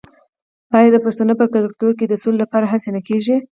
آیا د پښتنو په کلتور کې د سولې لپاره هڅې نه کیږي؟